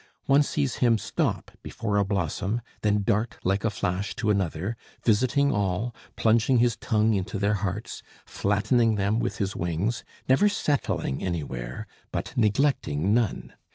One sees him stop before a blossom, then dart like a flash to another, visiting all, plunging his tongue into their hearts, flattening them with his wings, never settling anywhere, but neglecting none.